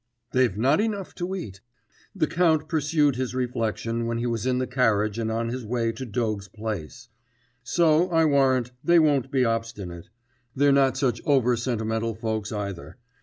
'They've not enough to eat' the count pursued his reflection when he was in the carriage and on his way to Dogs' Place 'so, I warrant, they won't be obstinate. They're not such over sentimental folks either.